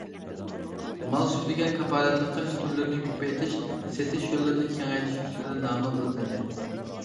مال سۈپىتىگە كاپالەتلىك قىلىش، تۈرلىرىنى كۆپەيتىش، سېتىش يوللىرىنى كېڭەيتىش ئۈستىدە داۋاملىق ئىزدەندى.